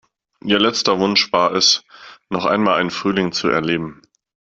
Ihr letzter Wunsch war es, noch einmal einen Frühling zu erleben.